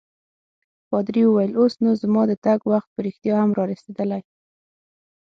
پادري وویل: اوس نو زما د تګ وخت په رښتیا هم رارسیدلی.